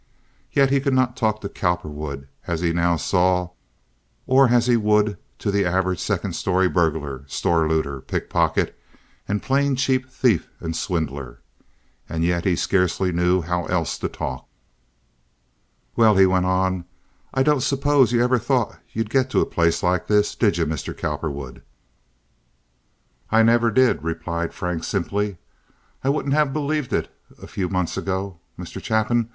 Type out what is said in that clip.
Yet he could not talk to Cowperwood as he now saw or as he would to the average second story burglar, store looter, pickpocket, and plain cheap thief and swindler. And yet he scarcely knew how else to talk. "Well, now," he went on, "I don't suppose you ever thought you'd get to a place like this, did you, Mr. Cowperwood?" "I never did," replied Frank, simply. "I wouldn't have believed it a few months ago, Mr. Chapin.